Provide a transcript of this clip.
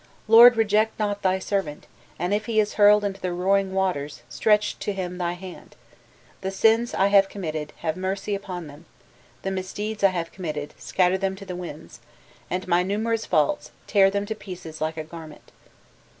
Lord reject not thy servant, and if he is hurled into the roaring waters, stretch to him thy hand; the sins I have committed, have mercy upon them, the misdeeds I have committed, scatter them to the winds and my numerous faults, tear them to pieces like a garment."